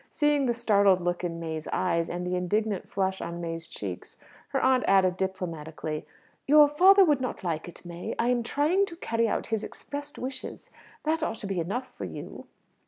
Seeing the startled look in May's eyes, and the indignant flush on May's cheeks, her aunt added diplomatically, "Your father would not like it, May. I am trying to carry out his expressed wishes. That ought to be enough for you."